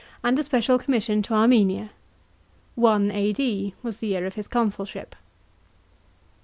53 and a special commission to Armenia. 1 A.D. was the year of his consulship.